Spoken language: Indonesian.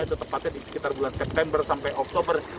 itu tepatnya di sekitar bulan september sampai oktober